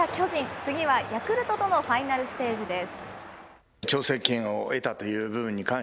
次はヤクルトとのファイナルステージです。